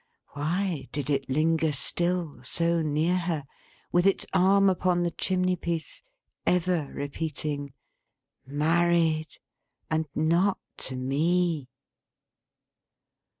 Why did it linger still, so near her, with its arm upon the chimney piece, ever repeating "Married! and not to me!"